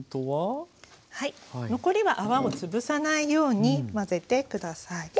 はい残りは泡をつぶさないように混ぜて下さい。